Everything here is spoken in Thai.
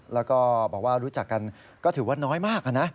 แล้วก็บอกว่ารู้จักกันก็ถือว่าน้อยมากนะ